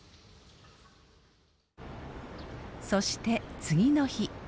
そして次の日。